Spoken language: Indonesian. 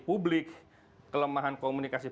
publik kelemahan komunikasi